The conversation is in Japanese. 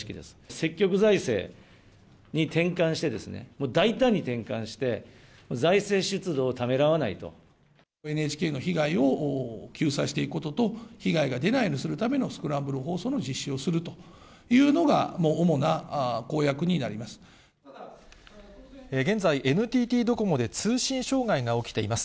積極財政に転換してですね、大胆に転換して、ＮＨＫの被害を救済していくことと、被害が出ないようにするためのスクランブル放送の実施をするとい現在、ＮＴＴドコモで通信障害が起きています。